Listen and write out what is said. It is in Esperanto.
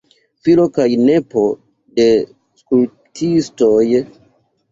Filo kaj nepo de skulptistoj.